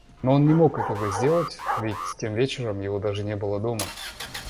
Но он не мог этого сделать, ведь тем вечером его даже не было дома!